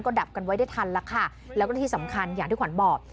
ก็ดับไว้ทันแล้วและที่สำคัญอย่างที่ขวัญบอก